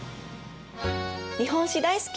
日本史大好き！